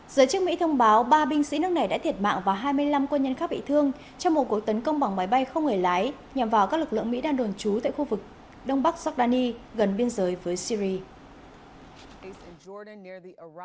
giới chức mỹ thông báo ba binh sĩ nước này đã thiệt mạng và hai mươi năm quân nhân khác bị thương trong một cuộc tấn công bằng máy bay không người lái nhằm vào các lực lượng mỹ đang đồn trú tại khu vực đông bắc giordani gần biên giới với syri